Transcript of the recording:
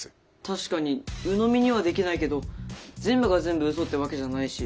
確かにうのみにはできないけど全部が全部うそってわけじゃないし。